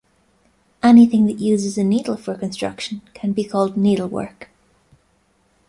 Anything that uses a needle for construction can be called needlework.